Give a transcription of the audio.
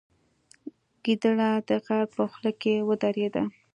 ګیدړه د غار په خوله کې ودرېده.